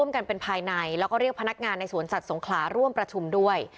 กันเป็นภายในแล้วก็เรียกพนักงานในสวนสัตว์สงขลาร่วมประชุมด้วย